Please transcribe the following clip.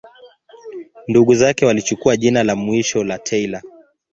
Ndugu zake walichukua jina la mwisho la Taylor.